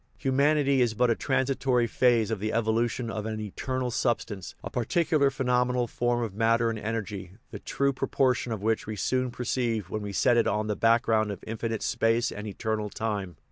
Humanity is but a transitory phase of the evolution of an eternal substance, a particular phenomenal form of matter and energy, the true pro portion of which we soon perceive when we set it on the background of infinite space and eternal time.